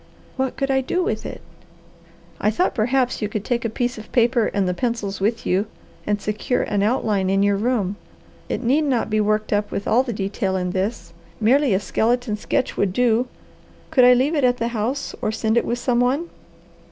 "What could I do with it?" "I thought perhaps you could take a piece of paper and the pencils with you, and secure an outline in your room. It need not be worked up with all the detail in this. Merely a skeleton sketch would do. Could I leave it at the house or send it with some one?"